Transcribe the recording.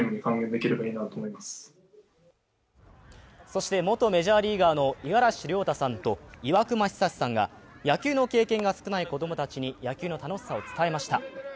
そして元メジャーリーガーの五十嵐亮太さんと岩隈久志さんが野球の経験が少ない子供たちに野球の楽しさを伝えました。